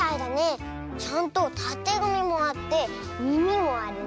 ちゃんとたてがみもあってみみもあるね。